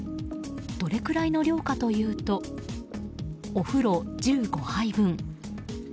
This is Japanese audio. どれくらいの量かというとお風呂１５杯分。